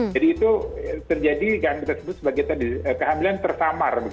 jadi itu terjadi kehamilan tersamar